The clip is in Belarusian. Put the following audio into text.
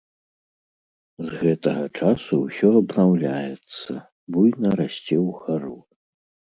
З гэтага часу ўсё абнаўляецца, буйна расце ўгару.